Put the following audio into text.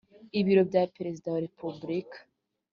ibiro bya perezida wa repuburika